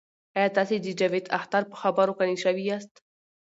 آیا تاسې د جاوید اختر په خبرو قانع شوي یاست؟